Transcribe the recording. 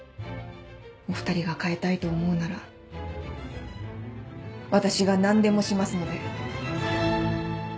お２人が変えたいと思うなら私が何でもしますので。